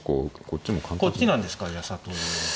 こっちなんですか佐藤流だと。